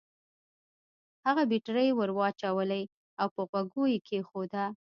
هغه بېټرۍ ور واچولې او په غوږو کې يې کېښوده.